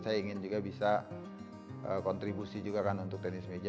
saya ingin juga bisa kontribusi juga kan untuk tenis meja